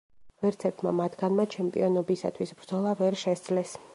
ვერცერთმა მათგანმა ჩემპიონობისათვის ბრძოლა ვერ შესძლეს.